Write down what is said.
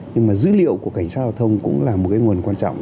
nhưng mà dữ liệu của cảnh sát giao thông cũng là một cái nguồn quan trọng